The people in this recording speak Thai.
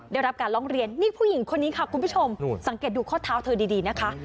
ได้รับการร้องเรียนนี่ผู้หญิงคนนี้ค่ะคุณผู้ชมสังเกตดูข้อเท้าเธอดีนะคะ